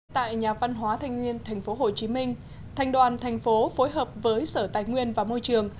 tại nhà văn hóa thanh niên tp hcm thành đoàn thành phố phối hợp với sở tài nguyên và môi trường